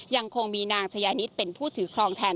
ยังคงมีนางชายานิดเป็นผู้ถือครองแทน